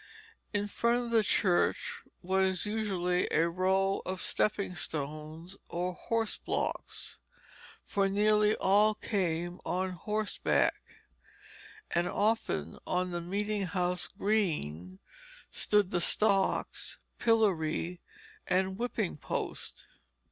In front of the church was usually a row of stepping stones or horse blocks, for nearly all came on horseback; and often on the meeting house green stood the stocks, pillory, and whipping post.